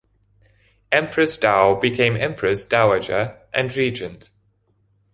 Empress Dou became empress dowager and regent.